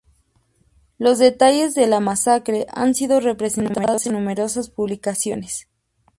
Los detalles de la masacre han sido representados en numerosas publicaciones.